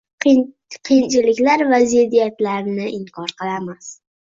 qiyinchiliklar va ziddiyatlarni inkor qilamiz.